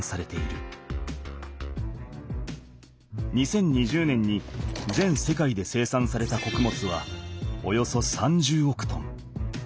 ２０２０年に全世界で生産されたこくもつはおよそ３０億トン。